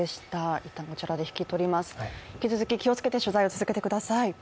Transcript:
引き続き気をつけて取材を続けてください。